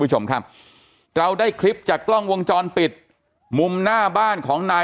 คุณผู้ชมครับเราได้คลิปจากกล้องวงจรปิดมุมหน้าบ้านของนาย